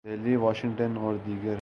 Delhi, Washington اور ''دیگر" ہیں۔